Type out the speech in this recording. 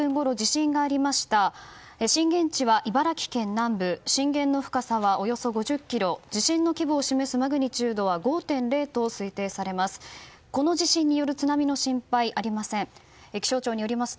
震源地は茨城県南部震源の深さはおよそ５０ｋｍ地震の規模を示すマグニチュードは５．０と推定されます。